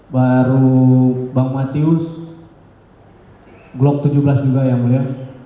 baru bang matius glock tujuh belas juga ya mulia